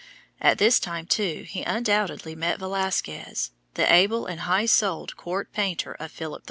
At this time, too, he undoubtedly met Velazquez, the able and high souled court painter of Philip IV.